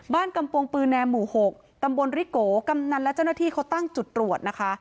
กำปงปือแนมหมู่๖ตำบลริโกกำนันและเจ้าหน้าที่เขาตั้งจุดตรวจนะคะ